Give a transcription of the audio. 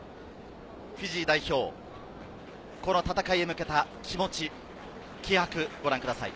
フィジー代表、この戦いへ向けた気持ち、気迫をご覧ください。